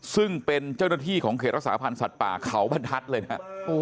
ซึ่งเป็นเจ้าหน้าที่ของเขตรักษาพันธ์สัตว์ป่าเขาบรรทัศน์เลยนะ